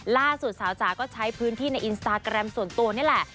ล่าสุดสาวจ๋าก็ใช้พื้นที่ในอินสตาแกรมส่วนตัวนี่แหละ